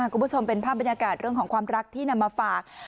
คุณผู้ชมเป็นภาพบรรยากาศเรื่องของความรักที่นำมาฝาก